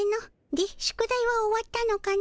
で宿題は終わったのかの？